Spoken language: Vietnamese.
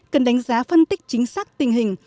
cần đánh giá phân tích chính xác tình hình